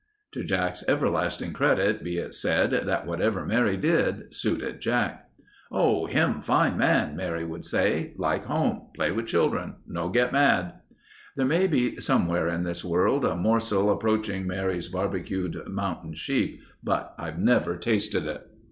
To Jack's everlasting credit, be it said that whatever Mary did, suited Jack. "Oh, him fine man," Mary would say. "Like home. Play with children. No get mad...." There may be somewhere in this world a morsel approaching Mary's barbecued mountain sheep, but I've never tasted it.